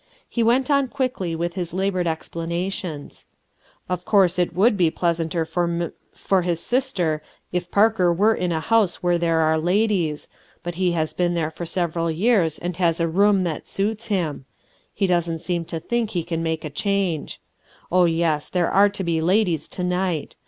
He went on quickly with his labored explana tions: — "Of course it would be pleasanter for M — for his sister if Parker were in a house where there are ladies, but he has been there for several years and has a room that suits him ; he doesn't seem to think he can make a change. Oh, yes, there are to be ladies to night.